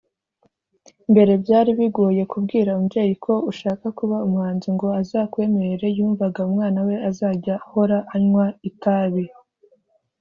Mbere byari bigoye kubwira umubyeyi ko ushaka kuba umuhanzi ngo azakwemerere yumvaga umwana we azajya ahora anywa itabi